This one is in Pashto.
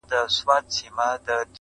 په دا ماته ژبه چاته پیغام ورکړم!.